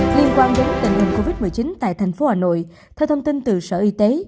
liên quan đến tình hình covid một mươi chín tại thành phố hà nội theo thông tin từ sở y tế